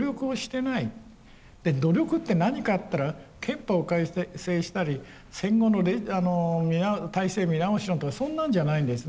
で努力って何かっていったら憲法を改正したり戦後の体制見直しなんてそんなんじゃないんですね。